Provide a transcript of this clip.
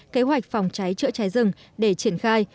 kế hoạch phòng cháy chữa cháy rừng để triển khai